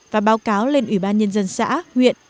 và báo cáo lên ủy ban nhân dân xã huyện